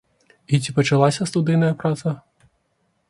І ці пачалася студыйная праца?